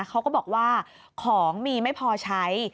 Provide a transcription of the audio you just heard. เขาก็บอกว่าของมีไม่พอใช้